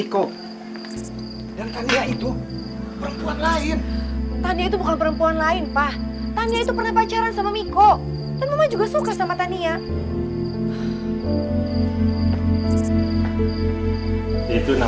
kalian ngobrol aja dulu ya